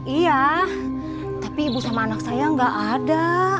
iya tapi ibu sama anak saya nggak ada